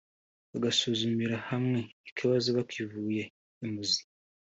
bagasuzumira hamwe ikibazo bakivuye imuzi